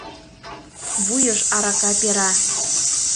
Вуйыш арака пера.